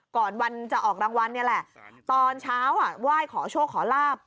ก่อนวันจะออกรางวัลนี่แหละตอนเช้าไหว้ขอโชคขอลาบ